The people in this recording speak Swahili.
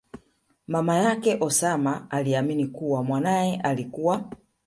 mama yake Osama aliamini kuwa mwanaye alikua